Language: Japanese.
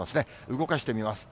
動かしてみます。